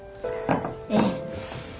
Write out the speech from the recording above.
ええ。